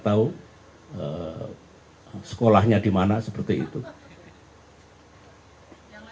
tahu sekolahnya dimana seperti itu hai yang lain